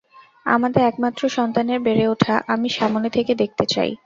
আমাদের একমাত্র সন্তানের বেড়ে উঠা আমি সামনে থেকে দেখতে চাই।